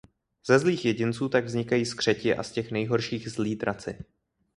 Ze zlých jedinců tak vznikají skřeti a z těch nejhorších zlí draci.